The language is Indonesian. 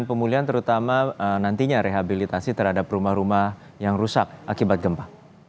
dan pemulihan terutama nantinya rehabilitasi terhadap rumah rumah yang rusak akibat gempa